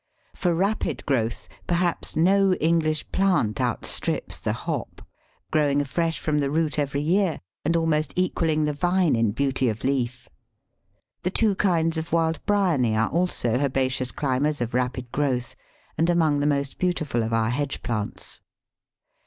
For rapid growth perhaps no English plant outstrips the Hop, growing afresh from the root every year, and almost equalling the Vine in beauty of leaf. The two kinds of wild Bryony are also herbaceous climbers of rapid growth, and among the most beautiful of our hedge plants.